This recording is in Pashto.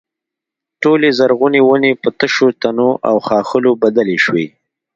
ټولې زرغونې ونې په تشو تنو او ښاخلو بدلې شوې.